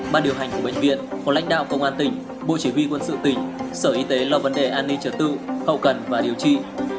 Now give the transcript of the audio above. ban điều hành của bệnh viện có lãnh đạo công an tỉnh bộ chỉ huy quân sự tỉnh sở y tế là vấn đề an ninh trật tự hậu cần và điều trị